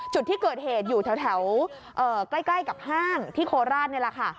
จุดที่เกิดเหตุอยู่แถวใกล้กับห้างที่โคราชนี่แหละค่ะ